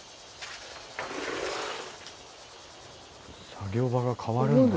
作業場が変わるんだ。